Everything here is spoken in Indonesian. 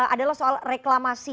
adalah soal reklaman